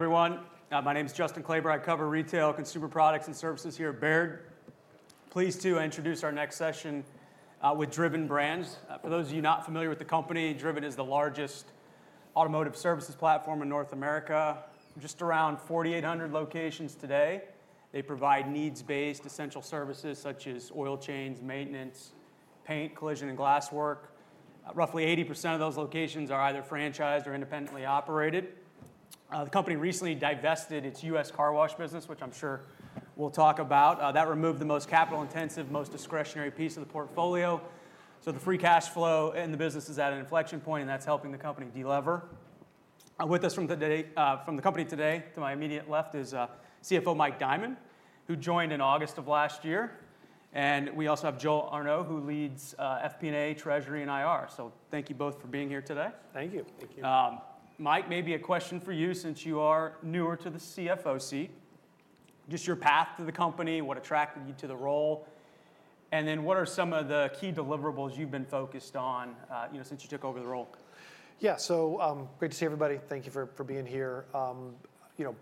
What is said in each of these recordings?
Everyone, my name is Justin Kleber. I cover retail, consumer products, and services here at Baird. Pleased to introduce our next session with Driven Brands. For those of you not familiar with the company, Driven is the largest automotive services platform in North America. Just around 4,800 locations today. They provide needs-based essential services such as oil change, maintenance, paint, collision, and glass work. Roughly 80% of those locations are either franchised or independently operated. The company recently divested its U.S. car wash business, which I'm sure we'll talk about. That removed the most capital-intensive, most discretionary piece of the portfolio. The free cash flow in the business is at an inflection point, and that's helping the company deliver. With us from the company today, to my immediate left, is CFO Mike Diamond, who joined in August of last year. We also have Joel Arnao, who leads FP&A, Treasury, and IR. Thank you both for being here today. Thank you. Mike, maybe a question for you, since you are newer to the CFO seat. Just your path to the company, what attracted you to the role, and then what are some of the key deliverables you've been focused on since you took over the role? Yeah, so great to see everybody. Thank you for being here.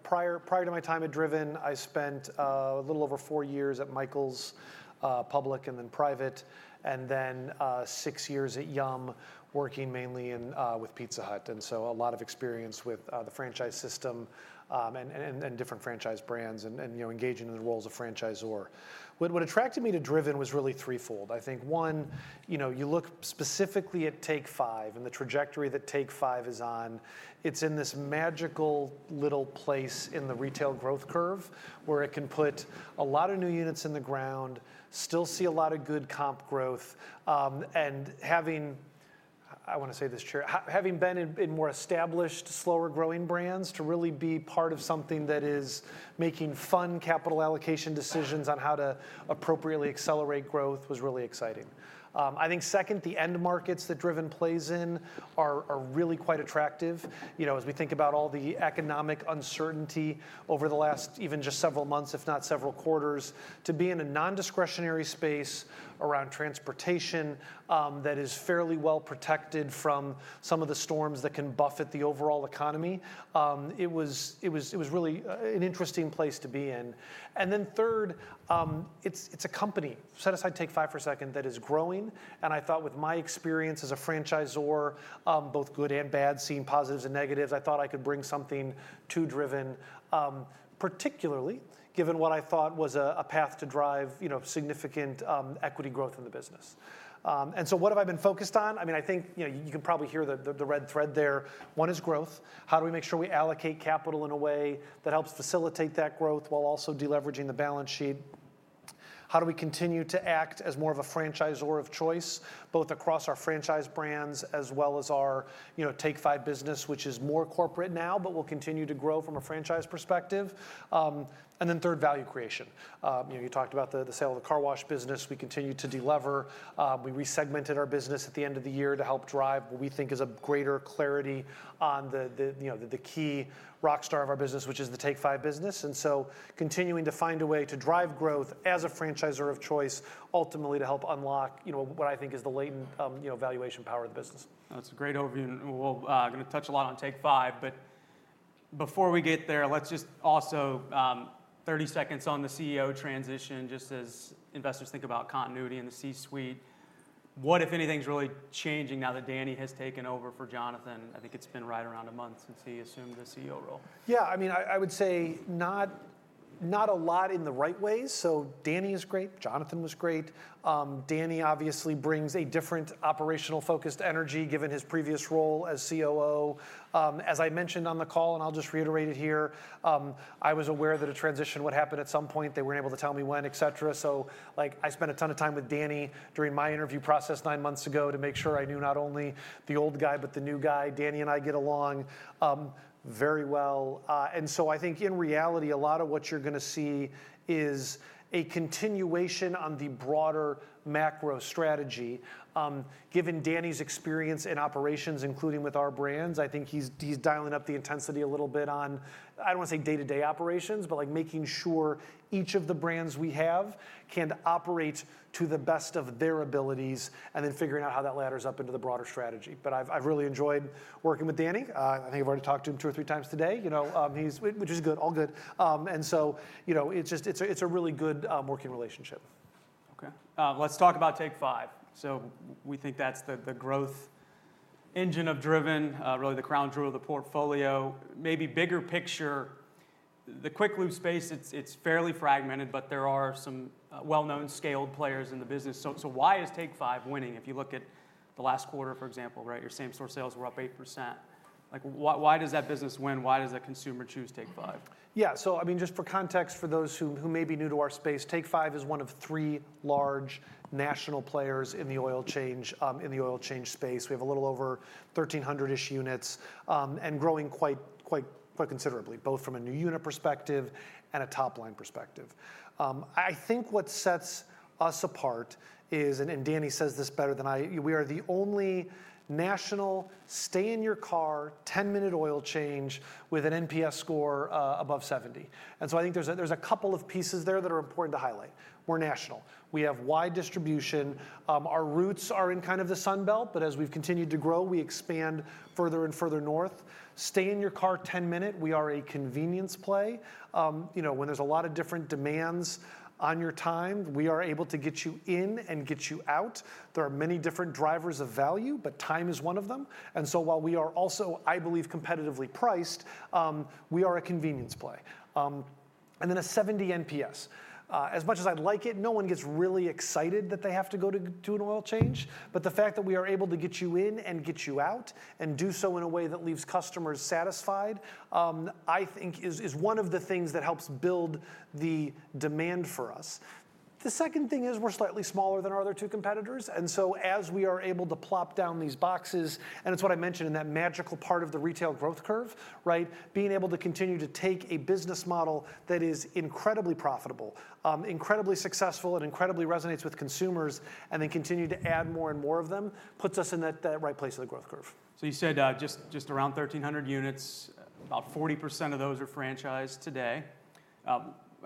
Prior to my time at Driven, I spent a little over four years at Michaels, public and then private, and then six years at Yum!, working mainly with Pizza Hut. And so a lot of experience with the franchise system and different franchise brands and engaging in the roles of franchisor. What attracted me to Driven was really threefold. I think, one, you look specifically at Take 5 and the trajectory that Take 5 is on. It's in this magical little place in the retail growth curve where it can put a lot of new units in the ground, still see a lot of good comp growth. I want to say this, having been in more established, slower-growing brands, to really be part of something that is making fun capital allocation decisions on how to appropriately accelerate growth was really exciting. I think, second, the end markets that Driven plays in are really quite attractive. As we think about all the economic uncertainty over the last, even just several months, if not several quarters, to be in a non-discretionary space around transportation that is fairly well protected from some of the storms that can buffet the overall economy, it was really an interesting place to be in. Third, it is a company, set aside Take 5 for a second, that is growing. I thought with my experience as a franchisor, both good and bad, seeing positives and negatives, I thought I could bring something to Driven, particularly given what I thought was a path to drive significant equity growth in the business. What have I been focused on? I mean, I think you can probably hear the red thread there. One is growth. How do we make sure we allocate capital in a way that helps facilitate that growth while also deleveraging the balance sheet? How do we continue to act as more of a franchisor of choice, both across our franchise brands as well as our Take 5 business, which is more corporate now, but will continue to grow from a franchise perspective? Third, value creation. You talked about the sale of the car wash business. We continue to deliver. We resegmented our business at the end of the year to help drive what we think is a greater clarity on the key rock star of our business, which is the Take 5 business. Continuing to find a way to drive growth as a franchisor of choice, ultimately to help unlock what I think is the latent valuation power of the business. That's a great overview. We're going to touch a lot on Take 5. Before we get there, let's just also 30 seconds on the CEO transition, just as investors think about continuity in the C-suite. What, if anything, is really changing now that Danny has taken over for Jonathan? I think it's been right around a month since he assumed the CEO role. Yeah, I mean, I would say not a lot in the right ways. Danny is great. Jonathan was great. Danny obviously brings a different operational-focused energy, given his previous role as COO. As I mentioned on the call, and I'll just reiterate it here, I was aware that a transition would happen at some point. They were not able to tell me when, et cetera. I spent a ton of time with Danny during my interview process nine months ago to make sure I knew not only the old guy but the new guy. Danny and I get along very well. I think in reality, a lot of what you are going to see is a continuation on the broader macro strategy. Given Danny's experience in operations, including with our brands, I think he's dialing up the intensity a little bit on, I don't want to say day-to-day operations, but making sure each of the brands we have can operate to the best of their abilities, and then figuring out how that ladders up into the broader strategy. I've really enjoyed working with Danny. I think I've already talked to him two or three times today, which is good. All good. It's a really good working relationship. OK. Let's talk about Take 5. We think that's the growth engine of Driven, really the crown jewel of the portfolio. Maybe bigger picture, the quick-lube space, it's fairly fragmented, but there are some well-known scaled players in the business. Why is Take 5 winning? If you look at the last quarter, for example, your same-store sales were up 8%. Why does that business win? Why does a consumer choose Take 5? Yeah, so I mean, just for context, for those who may be new to our space, Take 5 is one of three large national players in the oil change space. We have a little over 1,300-ish units and growing quite considerably, both from a new unit perspective and a top-line perspective. I think what sets us apart is, and Danny says this better than I, we are the only national stay-in-your-car 10-minute oil change with an NPS score above 70. I think there is a couple of pieces there that are important to highlight. We are national. We have wide distribution. Our roots are in kind of the Sun Belt. As we have continued to grow, we expand further and further north. Stay-in-your-car 10-minute, we are a convenience play. When there is a lot of different demands on your time, we are able to get you in and get you out. There are many different drivers of value, but time is one of them. While we are also, I believe, competitively priced, we are a convenience play. A 70 NPS. As much as I like it, no one gets really excited that they have to go to do an oil change. The fact that we are able to get you in and get you out and do so in a way that leaves customers satisfied, I think, is one of the things that helps build the demand for us. The second thing is we are slightly smaller than our other two competitors. As we are able to plop down these boxes, and it's what I mentioned in that magical part of the retail growth curve, being able to continue to take a business model that is incredibly profitable, incredibly successful, and incredibly resonates with consumers, and then continue to add more and more of them puts us in that right place of the growth curve. You said just around 1,300 units, about 40% of those are franchised today.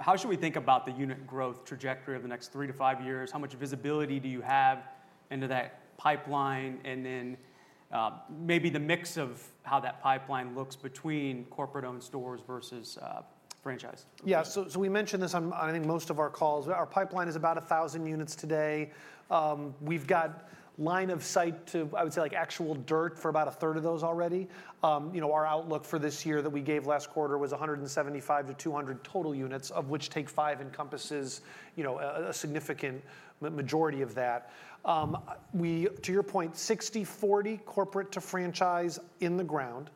How should we think about the unit growth trajectory over the next three to five years? How much visibility do you have into that pipeline? Maybe the mix of how that pipeline looks between corporate-owned stores versus franchised? Yeah, so we mentioned this on, I think, most of our calls. Our pipeline is about 1,000 units today. We've got line of sight to, I would say, actual dirt for about a third of those already. Our outlook for this year that we gave last quarter was 175-200 total units, of which Take 5 encompasses a significant majority of that. To your point, 60:40 corporate to franchise in the ground.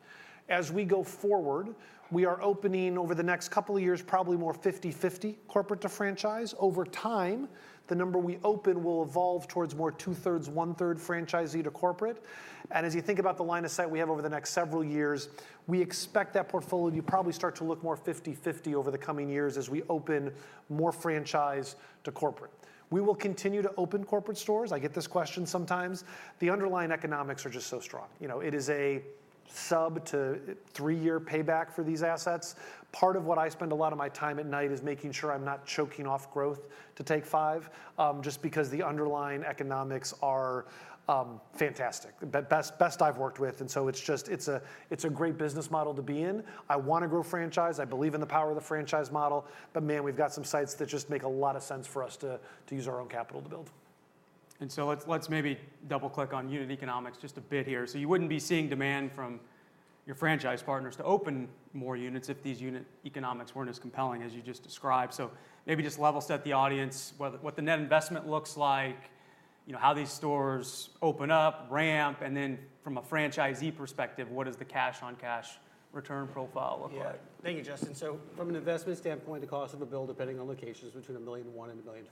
As we go forward, we are opening over the next couple of years probably more 50:50 corporate to franchise. Over time, the number we open will evolve towards more 2:3, 1:3 franchisee to corporate. As you think about the line of sight we have over the next several years, we expect that portfolio to probably start to look more 50:50 over the coming years as we open more franchise to corporate. We will continue to open corporate stores. I get this question sometimes. The underlying economics are just so strong. It is a sub to three-year payback for these assets. Part of what I spend a lot of my time at night is making sure I'm not choking off growth to Take 5, just because the underlying economics are fantastic, best I've worked with. It is a great business model to be in. I want to grow franchise. I believe in the power of the franchise model. Man, we've got some sites that just make a lot of sense for us to use our own capital to build. Let's maybe double-click on unit economics just a bit here. You would not be seeing demand from your franchise partners to open more units if these unit economics were not as compelling as you just described. Maybe just level set the audience, what the net investment looks like, how these stores open up, ramp, and then from a franchisee perspective, what does the cash-on-cash return profile look like? Yeah, thank you, Justin. From an investment standpoint, the cost of a build, depending on locations, is between $1 million and $1.5 million.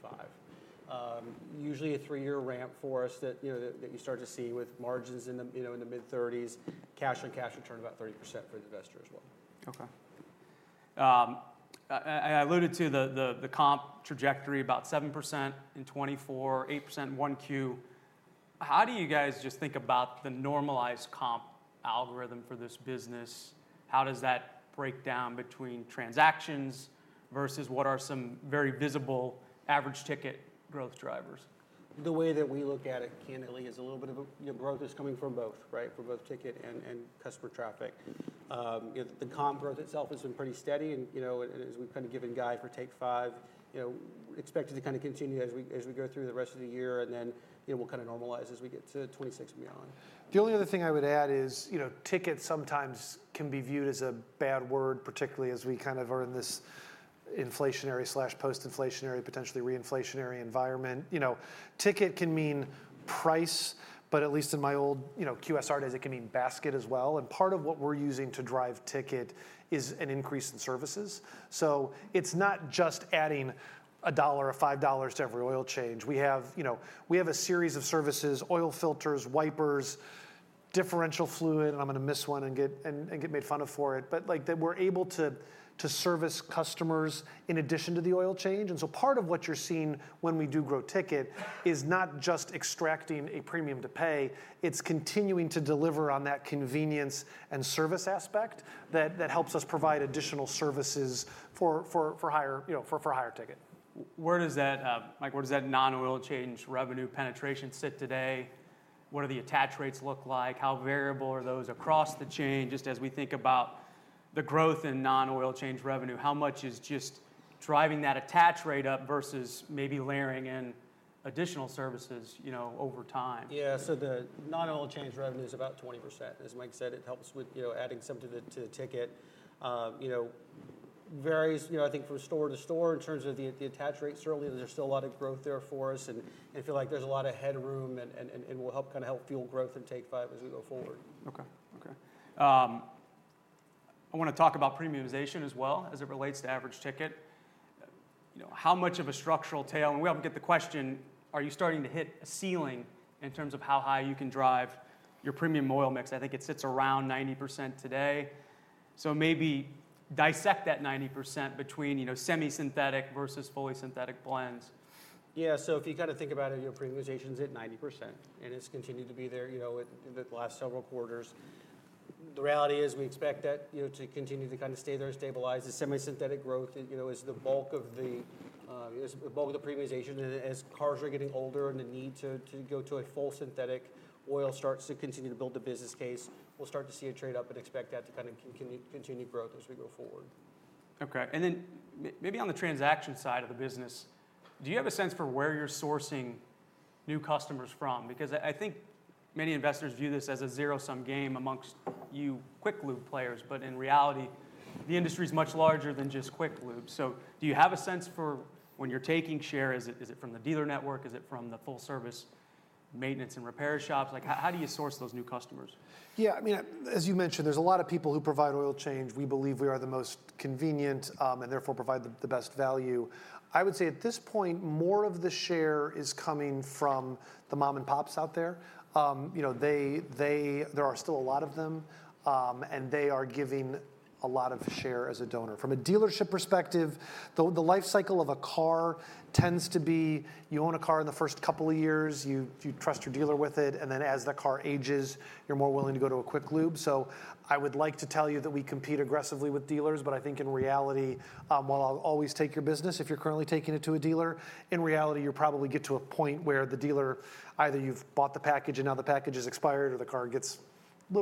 Usually a three-year ramp for us that you start to see with margins in the mid-30s, cash-on-cash return about 30% for an investor as well. OK. I alluded to the comp trajectory, about 7% in 2024, 8% in Q1. How do you guys just think about the normalized comp algorithm for this business? How does that break down between transactions versus what are some very visible average ticket growth drivers? The way that we look at it candidly is a little bit of growth is coming from both, for both ticket and customer traffic. The comp growth itself has been pretty steady. As we've kind of given guide for Take 5, expect it to kind of continue as we go through the rest of the year. It will kind of normalize as we get to 2026 and beyond. The only other thing I would add is ticket sometimes can be viewed as a bad word, particularly as we kind of are in this inflationary/post-inflationary, potentially re-inflationary environment. Ticket can mean price, but at least in my old QSR days, it can mean basket as well. Part of what we're using to drive ticket is an increase in services. It's not just adding $1 or $5 to every oil change. We have a series of services: oil filters, wipers, differential fluid. I'm going to miss one and get made fun of for it. We're able to service customers in addition to the oil change. Part of what you're seeing when we do grow ticket is not just extracting a premium to pay. It's continuing to deliver on that convenience and service aspect that helps us provide additional services for higher ticket. Where does that, Mike, where does that non-oil change revenue penetration sit today? What do the attach rates look like? How variable are those across the chain? Just as we think about the growth in non-oil change revenue, how much is just driving that attach rate up versus maybe layering in additional services over time? Yeah, so the non-oil change revenue is about 20%. As Mike said, it helps with adding some to the ticket. Varies, I think, from store to store in terms of the attach rates. Certainly, there's still a lot of growth there for us. I feel like there's a lot of headroom. We'll kind of help fuel growth in Take 5 as we go forward. OK, OK. I want to talk about premiumization as well, as it relates to average ticket. How much of a structural tail? And we often get the question, are you starting to hit a ceiling in terms of how high you can drive your premium oil mix? I think it sits around 90% today. So maybe dissect that 90% between semi-synthetic versus fully synthetic blends. Yeah, so if you kind of think about it, premiumization is at 90%. And it has continued to be there the last several quarters. The reality is we expect that to continue to kind of stay there and stabilize. The semi-synthetic growth is the bulk of the premiumization. And as cars are getting older and the need to go to a full synthetic oil starts to continue to build the business case, we will start to see a trade up and expect that to kind of continue growth as we go forward. OK. Maybe on the transaction side of the business, do you have a sense for where you're sourcing new customers from? I think many investors view this as a zero-sum game amongst you quick-lube players. In reality, the industry is much larger than just quick-lube. Do you have a sense for when you're taking share, is it from the dealer network? Is it from the full-service maintenance and repair shops? How do you source those new customers? Yeah, I mean, as you mentioned, there's a lot of people who provide oil change. We believe we are the most convenient and therefore provide the best value. I would say at this point, more of the share is coming from the mom and pops out there. There are still a lot of them. And they are giving a lot of share as a donor. From a dealership perspective, the life cycle of a car tends to be you own a car in the first couple of years. You trust your dealer with it. Then as the car ages, you're more willing to go to a quick lube. I would like to tell you that we compete aggressively with dealers. I think in reality, while I'll always take your business if you're currently taking it to a dealer, in reality, you'll probably get to a point where the dealer, either you've bought the package and now the package has expired, or the car gets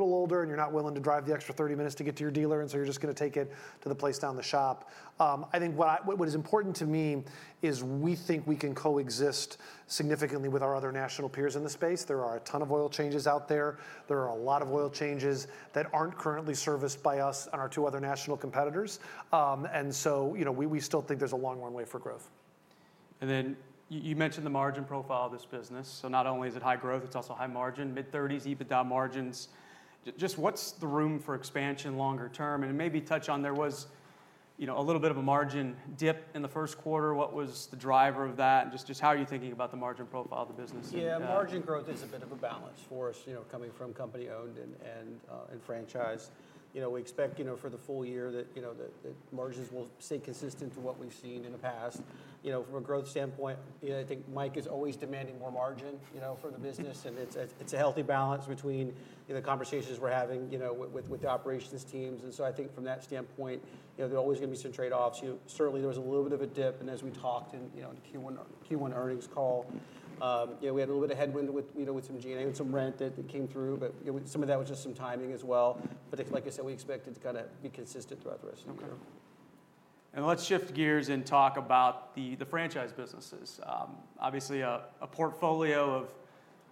a little older, and you're not willing to drive the extra 30 minutes to get to your dealer. You're just going to take it to the place down the shop. I think what is important to me is we think we can coexist significantly with our other national peers in the space. There are a ton of oil changes out there. There are a lot of oil changes that aren't currently serviced by us and our two other national competitors. We still think there's a long runway for growth. You mentioned the margin profile of this business. Not only is it high growth, it is also high margin, mid-30s, even down margins. Just what is the room for expansion longer term? Maybe touch on there was a little bit of a margin dip in the first quarter. What was the driver of that? How are you thinking about the margin profile of the business? Yeah, margin growth is a bit of a balance for us coming from company-owned and franchised. We expect for the full year that margins will stay consistent to what we've seen in the past. From a growth standpoint, I think Mike is always demanding more margin for the business. It is a healthy balance between the conversations we're having with the operations teams. I think from that standpoint, there are always going to be some trade-offs. Certainly, there was a little bit of a dip. As we talked in the Q1 earnings call, we had a little bit of headwind with some G&A and some rent that came through. Some of that was just some timing as well. Like I said, we expect it to kind of be consistent throughout the rest of the year. OK. Let's shift gears and talk about the franchise businesses. Obviously, a portfolio of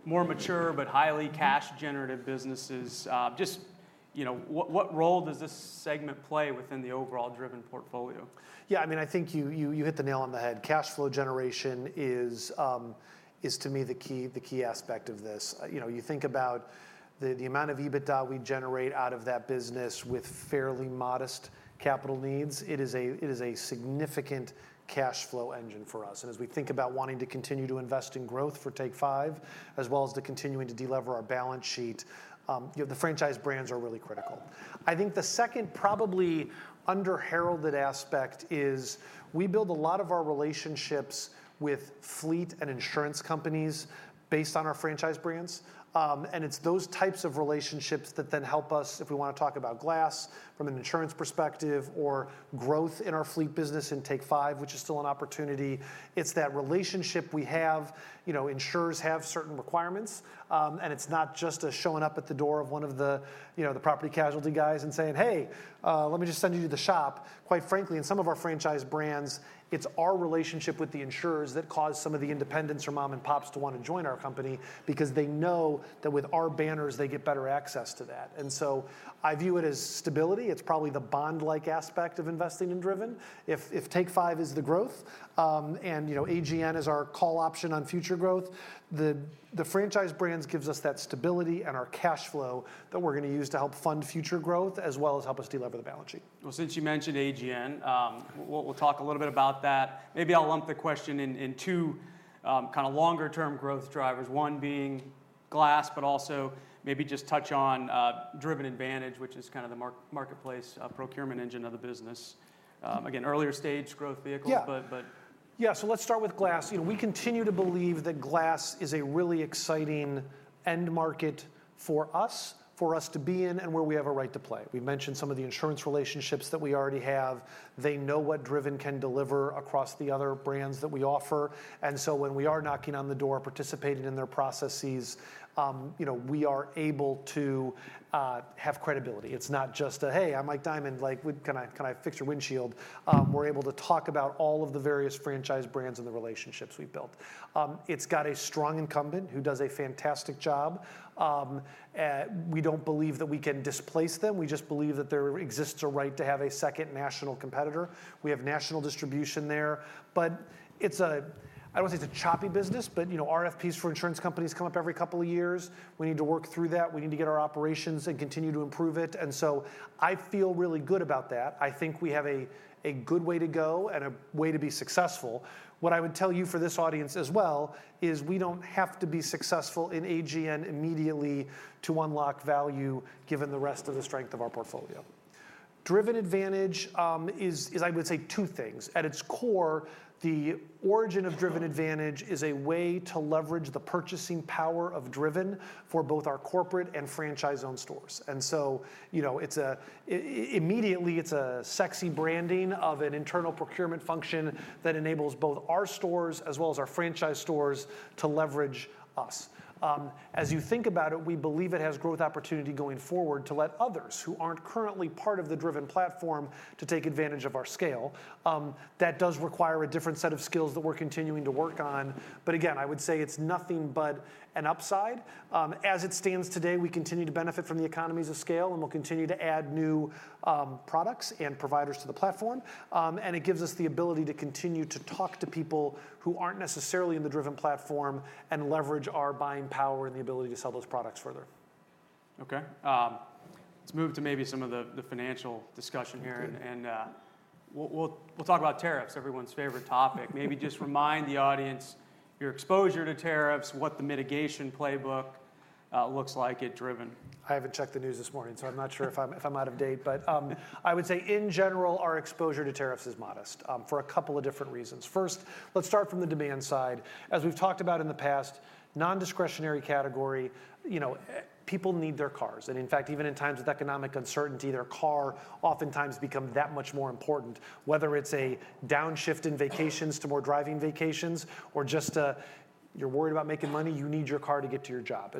more mature but highly cash-generative businesses. Just what role does this segment play within the overall Driven portfolio? Yeah, I mean, I think you hit the nail on the head. Cash flow generation is, to me, the key aspect of this. You think about the amount of EBITDA we generate out of that business with fairly modest capital needs. It is a significant cash flow engine for us. As we think about wanting to continue to invest in growth for Take 5, as well as to continue to deliver our balance sheet, the franchise brands are really critical. I think the second probably under-heralded aspect is we build a lot of our relationships with fleet and insurance companies based on our franchise brands. It is those types of relationships that then help us if we want to talk about glass from an insurance perspective or growth in our fleet business in Take 5, which is still an opportunity. It is that relationship we have. Insurers have certain requirements. It is not just showing up at the door of one of the property casualty guys and saying, hey, let me just send you to the shop. Quite frankly, in some of our franchise brands, it is our relationship with the insurers that caused some of the independents or mom and pops to want to join our company because they know that with our banners, they get better access to that. I view it as stability. It is probably the bond-like aspect of investing in Driven. If Take 5 is the growth and AGN is our call option on future growth, the franchise brands give us that stability and our cash flow that we are going to use to help fund future growth as well as help us deliver the balance sheet. You mentioned AGN, we'll talk a little bit about that. Maybe I'll lump the question into two kind of longer-term growth drivers, one being glass, but also maybe just touch on Driven Advantage, which is kind of the marketplace procurement engine of the business. Again, earlier stage growth vehicles. Yeah, so let's start with glass. We continue to believe that glass is a really exciting end market for us, for us to be in, and where we have a right to play. We've mentioned some of the insurance relationships that we already have. They know what Driven can deliver across the other brands that we offer. When we are knocking on the door, participating in their processes, we are able to have credibility. It's not just a, hey, I'm Mike Diamond. Can I fix your windshield? We're able to talk about all of the various franchise brands and the relationships we've built. It's got a strong incumbent who does a fantastic job. We don't believe that we can displace them. We just believe that there exists a right to have a second national competitor. We have national distribution there. I do not want to say it is a choppy business, but RFPs for insurance companies come up every couple of years. We need to work through that. We need to get our operations and continue to improve it. I feel really good about that. I think we have a good way to go and a way to be successful. What I would tell you for this audience as well is we do not have to be successful in AGN immediately to unlock value given the rest of the strength of our portfolio. Driven Advantage is, I would say, two things. At its core, the origin of Driven Advantage is a way to leverage the purchasing power of Driven for both our corporate and franchise-owned stores. Immediately, it's a sexy branding of an internal procurement function that enables both our stores as well as our franchise stores to leverage us. As you think about it, we believe it has growth opportunity going forward to let others who aren't currently part of the Driven platform take advantage of our scale. That does require a different set of skills that we're continuing to work on. Again, I would say it's nothing but an upside. As it stands today, we continue to benefit from the economies of scale. We will continue to add new products and providers to the platform. It gives us the ability to continue to talk to people who aren't necessarily in the Driven platform and leverage our buying power and the ability to sell those products further. OK. Let's move to maybe some of the financial discussion here. We'll talk about tariffs, everyone's favorite topic. Maybe just remind the audience your exposure to tariffs, what the mitigation playbook looks like at Driven. I haven't checked the news this morning, so I'm not sure if I'm out of date. I would say in general, our exposure to tariffs is modest for a couple of different reasons. First, let's start from the demand side. As we've talked about in the past, non-discretionary category, people need their cars. In fact, even in times of economic uncertainty, their car oftentimes becomes that much more important, whether it's a downshift in vacations to more driving vacations or just you're worried about making money, you need your car to get to your job.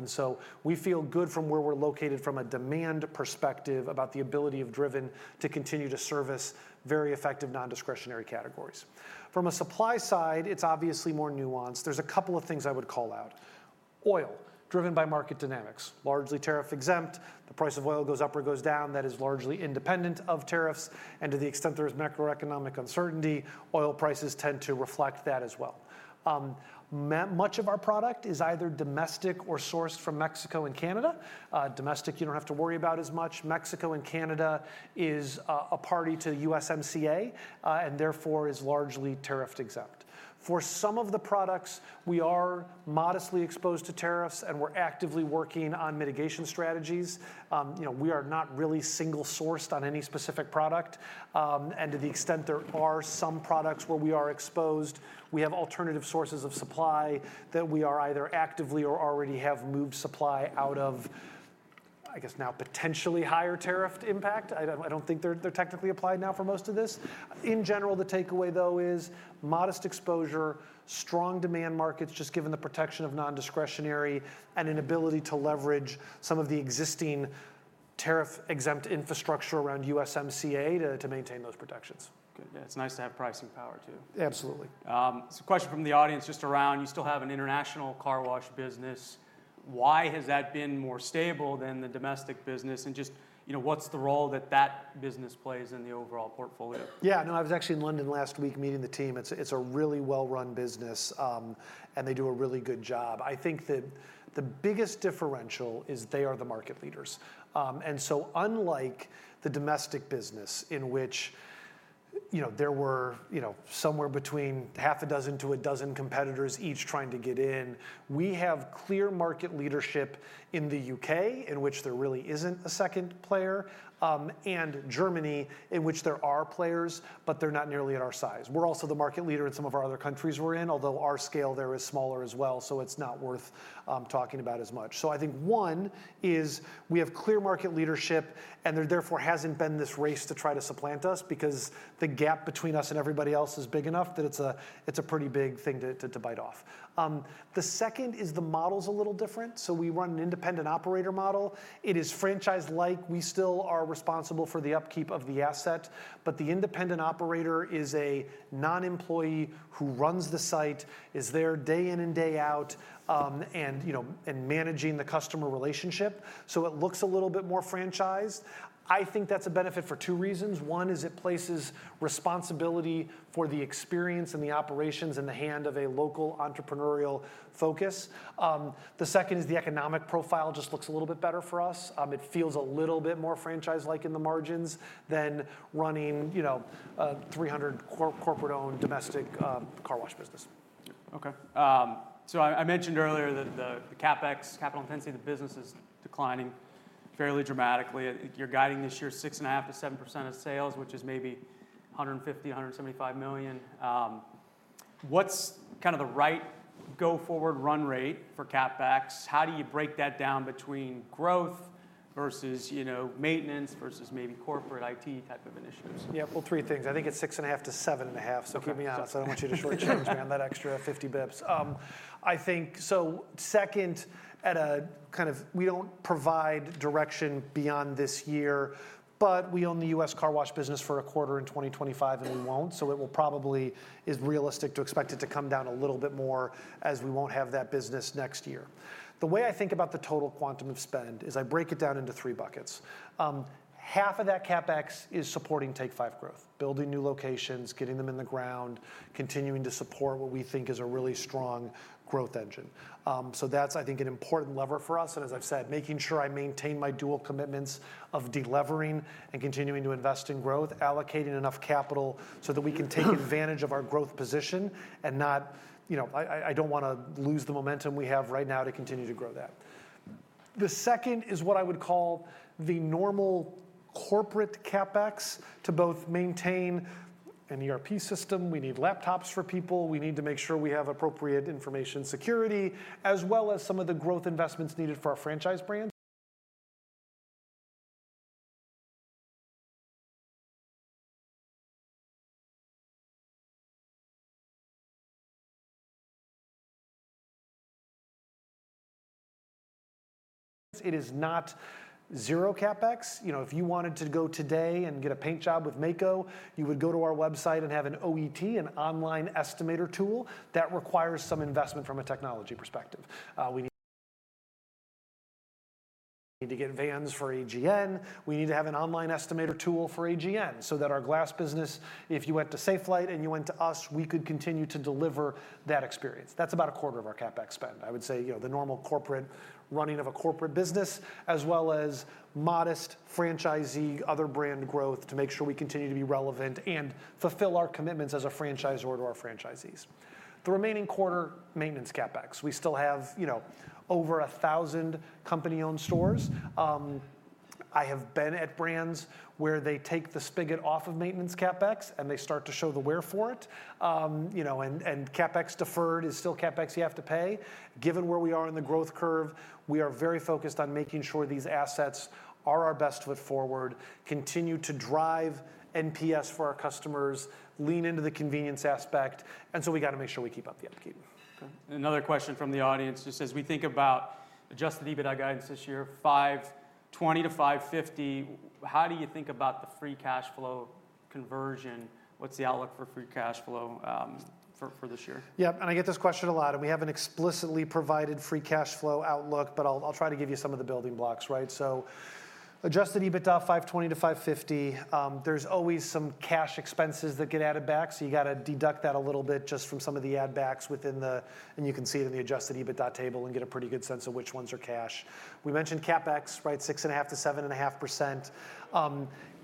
We feel good from where we're located from a demand perspective about the ability of Driven to continue to service very effective non-discretionary categories. From a supply side, it's obviously more nuanced. There are a couple of things I would call out. Oil, driven by market dynamics, largely tariff exempt. The price of oil goes up or goes down. That is largely independent of tariffs. To the extent there is macroeconomic uncertainty, oil prices tend to reflect that as well. Much of our product is either domestic or sourced from Mexico and Canada. Domestic, you do not have to worry about as much. Mexico and Canada is a party to USMCA and therefore is largely tariff exempt. For some of the products, we are modestly exposed to tariffs. We are actively working on mitigation strategies. We are not really single-sourced on any specific product. To the extent there are some products where we are exposed, we have alternative sources of supply that we are either actively or already have moved supply out of, I guess, now potentially higher tariffed impact. I do not think they are technically applied now for most of this. In general, the takeaway, though, is modest exposure, strong demand markets just given the protection of non-discretionary and an ability to leverage some of the existing tariff-exempt infrastructure around USMCA to maintain those protections. Yeah, it's nice to have pricing power, too. Absolutely. Question from the audience just around, you still have an international car wash business. Why has that been more stable than the domestic business? And just what's the role that that business plays in the overall portfolio? Yeah, no, I was actually in London last week meeting the team. It is a really well-run business. They do a really good job. I think that the biggest differential is they are the market leaders. Unlike the domestic business in which there were somewhere between half a dozen to a dozen competitors each trying to get in, we have clear market leadership in the U.K., in which there really is not a second player, and Germany, in which there are players, but they are not nearly at our size. We are also the market leader in some of our other countries we are in, although our scale there is smaller as well. It is not worth talking about as much. I think one is we have clear market leadership. There therefore has not been this race to try to supplant us because the gap between us and everybody else is big enough that it is a pretty big thing to bite off. The second is the model is a little different. We run an independent operator model. It is franchise-like. We still are responsible for the upkeep of the asset. The independent operator is a non-employee who runs the site, is there day in and day out, and managing the customer relationship. It looks a little bit more franchised. I think that is a benefit for two reasons. One is it places responsibility for the experience and the operations in the hand of a local entrepreneurial focus. The second is the economic profile just looks a little bit better for us. It feels a little bit more franchise-like in the margins than running a 300 corporate-owned domestic car wash business. OK. I mentioned earlier that the CapEx, capital intensity of the business is declining fairly dramatically. You're guiding this year 6.5-7% of sales, which is maybe $150-$175 million. What's kind of the right go-forward run rate for CapEx? How do you break that down between growth versus maintenance versus maybe corporate IT type of initiatives? Yeah, well, three things. I think it's 6.5-7.5. So keep me honest. I don't want you to shortchange me on that extra 50 basis points. Second, at a kind of we don't provide direction beyond this year. But we own the U.S. car wash business for a quarter in 2025, and we won't. It will probably is realistic to expect it to come down a little bit more as we won't have that business next year. The way I think about the total quantum of spend is I break it down into three buckets. Half of that CapEx is supporting Take 5 growth, building new locations, getting them in the ground, continuing to support what we think is a really strong growth engine. That's, I think, an important lever for us. As I've said, making sure I maintain my dual commitments of delivering and continuing to invest in growth, allocating enough capital so that we can take advantage of our growth position. I do not want to lose the momentum we have right now to continue to grow that. The second is what I would call the normal corporate CapEx to both maintain an ERP system. We need laptops for people. We need to make sure we have appropriate information security, as well as some of the growth investments needed for our franchise brand. It is not zero CapEx. If you wanted to go today and get a paint job with Maaco, you would go to our website and have an OET, an online estimator tool that requires some investment from a technology perspective. We need to get vans for AGN. We need to have an online estimator tool for AGN so that our glass business, if you went to Safelite and you went to us, we could continue to deliver that experience. That is about a quarter of our CapEx spend. I would say the normal corporate running of a corporate business, as well as modest franchisee other brand growth to make sure we continue to be relevant and fulfill our commitments as a franchisor to our franchisees. The remaining quarter, maintenance CapEx. We still have over 1,000 company-owned stores. I have been at brands where they take the spigot off of maintenance CapEx and they start to show the wear for it. CapEx deferred is still CapEx you have to pay. Given where we are in the growth curve, we are very focused on making sure these assets are our best foot forward, continue to drive NPS for our customers, lean into the convenience aspect. We have got to make sure we keep up the upkeep. Another question from the audience just as we think about adjusted EBITDA guidance this year, $520 million-$550 million, how do you think about the free cash flow conversion? What's the outlook for free cash flow for this year? Yeah, and I get this question a lot. We haven't explicitly provided free cash flow outlook. I'll try to give you some of the building blocks. Adjusted EBITDA $520 million-$550 million, there's always some cash expenses that get added back. You've got to deduct that a little bit just from some of the add backs within the, and you can see it in the adjusted EBITDA table and get a pretty good sense of which ones are cash. We mentioned CapEx, 6.5%-7.5%.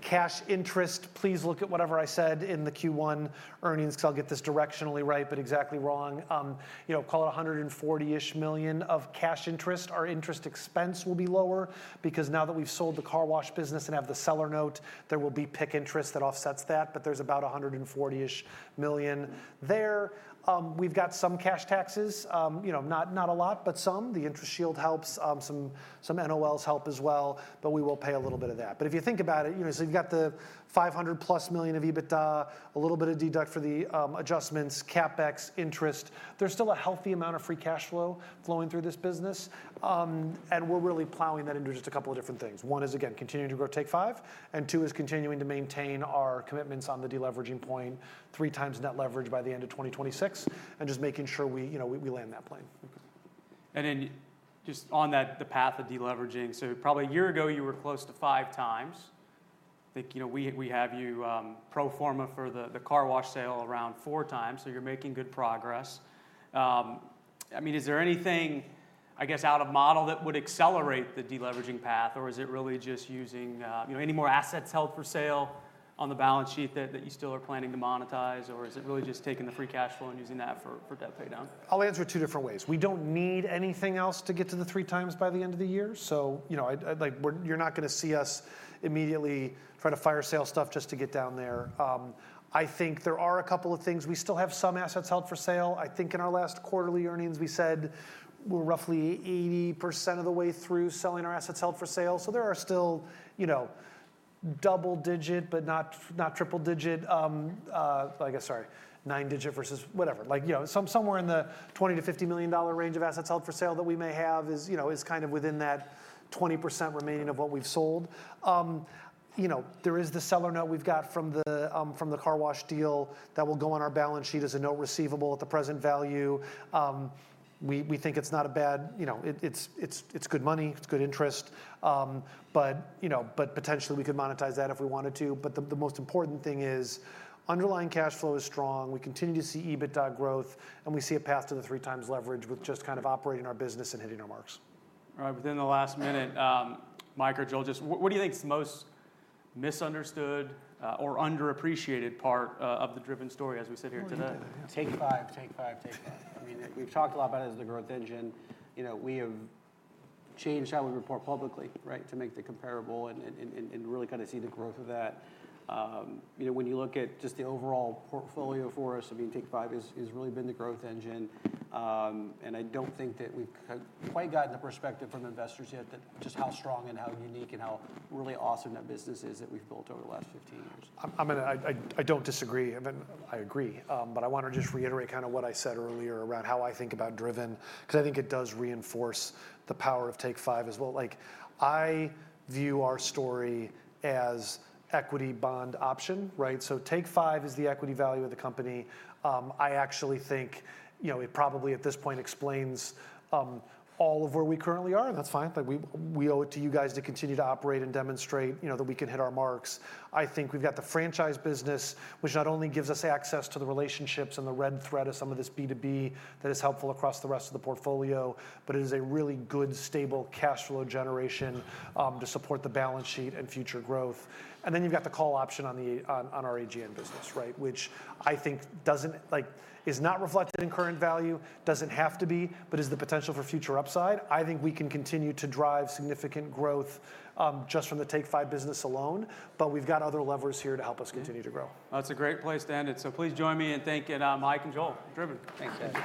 Cash interest, please look at whatever I said in the Q1 earnings. I'll get this directionally right, but exactly wrong. Call it $140 million-ish of cash interest. Our interest expense will be lower because now that we've sold the car wash business and have the seller note, there will be PIK interest that offsets that. There is about $140 million there. We have some cash taxes, not a lot, but some. The interest yield helps. Some NOLs help as well. We will pay a little bit of that. If you think about it, you have the $500+ million of EBITDA, a little bit of deduct for the adjustments, CapEx, interest. There is still a healthy amount of free cash flow flowing through this business. We are really plowing that into just a couple of different things. One is, again, continuing to grow Take 5. Two is continuing to maintain our commitments on the deleveraging point, three times net leverage by the end of 2026, and just making sure we land that plane. Just on that, the path of deleveraging, probably a year ago you were close to five times. I think we have you pro forma for the car wash sale around four times. You're making good progress. I mean, is there anything, I guess, out of model that would accelerate the deleveraging path? Is it really just using any more assets held for sale on the balance sheet that you still are planning to monetize? Is it really just taking the free cash flow and using that for debt pay down? I'll answer it two different ways. We don't need anything else to get to the three times by the end of the year. You're not going to see us immediately try to fire sale stuff just to get down there. I think there are a couple of things. We still have some assets held for sale. I think in our last quarterly earnings, we said we're roughly 80% of the way through selling our assets held for sale. There are still double digit, but not triple digit, like a, sorry, nine digit versus whatever. Somewhere in the $20 million-$50 million range of assets held for sale that we may have is kind of within that 20% remaining of what we've sold. There is the seller note we've got from the car wash deal that will go on our balance sheet as a note receivable at the present value. We think it's not a bad, it's good money. It's good interest. Potentially we could monetize that if we wanted to. The most important thing is underlying cash flow is strong. We continue to see EBITDA growth. We see a path to the three times leverage with just kind of operating our business and hitting our marks. All right, within the last minute, Mike or Joel, just what do you think is the most misunderstood or underappreciated part of the Driven story as we sit here today? Take 5, Take 5, Take 5. I mean, we've talked a lot about it as the growth engine. We have changed how we report publicly to make the comparable and really kind of see the growth of that. When you look at just the overall portfolio for us, I mean, Take 5 has really been the growth engine. I don't think that we've quite gotten the perspective from investors yet that just how strong and how unique and how really awesome that business is that we've built over the last 15 years. I do not disagree. I agree. I want to just reiterate kind of what I said earlier around how I think about Driven. I think it does reinforce the power of Take 5 as well. I view our story as equity bond option. Take 5 is the equity value of the company. I actually think it probably at this point explains all of where we currently are. That is fine. We owe it to you guys to continue to operate and demonstrate that we can hit our marks. I think we have got the franchise business, which not only gives us access to the relationships and the red thread of some of this B2B that is helpful across the rest of the portfolio, but it is a really good stable cash flow generation to support the balance sheet and future growth. You have the call option on our AGN business, which I think is not reflected in current value, does not have to be, but is the potential for future upside. I think we can continue to drive significant growth just from the Take 5 business alone. We have other levers here to help us continue to grow. That's a great place to end it. Please join me in thanking Mike and Joel Arnao. Thanks.